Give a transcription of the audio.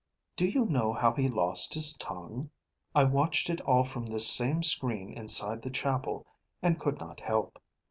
Do you know how he lost his tongue? I watched it all from this same screen inside the chapel, and could not help.